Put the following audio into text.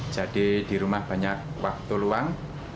jadi di rumah banyak waktu luang